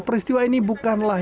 peristiwa ini bukanlah